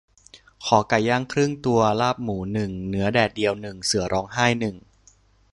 ขอไก่ย่างครึ่งตัว ลาบหมูหนึ่ง เนื้อแดดเดียวหนึ่ง เสือร้องไห้หนึ่ง